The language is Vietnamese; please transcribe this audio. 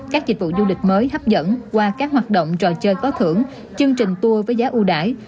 các dịch vụ du lịch mới hấp dẫn qua các hoạt động trò chơi có thưởng chương trình tour với giá ưu đải